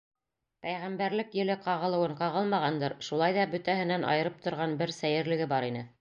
Пәйғәмбәрлек еле ҡағылыуын ҡағылмағандыр, шулай ҙа бөтәһенән айырып торған бер сәйерлеге бар ине.